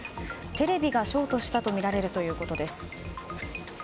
テレビがショートしたとみられるということです。